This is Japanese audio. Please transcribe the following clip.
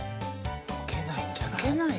「溶けないんじゃない？」